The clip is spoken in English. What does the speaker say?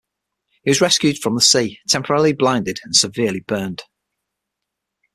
He was rescued from the sea, temporarily blinded and severely burned.